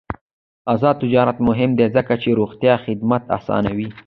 آزاد تجارت مهم دی ځکه چې روغتیا خدمات اسانوي.